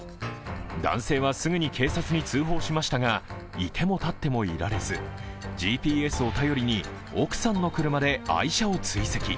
男性はすぐに警察に通報しましたがいても立ってもいられず、ＧＰＳを頼りに奥さんの車で愛車を追跡。